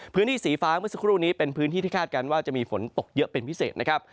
พื้นที่สีฟ้าเมื่อสักครู่นี้เป็นพื้นที่ที่คาดการณ์ว่าจะมีฝนตกเยอะเป็นพิเศษนะครับ